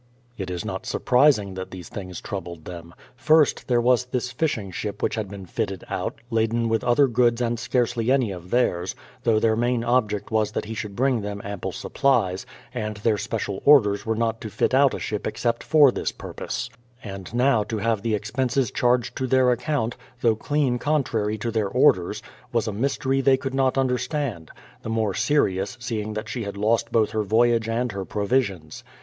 It is not surprising that these things troubled them. First, there was this fishing ship which had been fitted out, laden with other goods and scarcely any of theirs, though their main object was that he should bring them ample supplies, and their special orders were not to fit out a ship except for this purpose; and now to have the expenses charged to their account, though clean contrary to their orders, was a mystery they could not understand, — the more serious seeing that she had lost both her voyage and her provisions.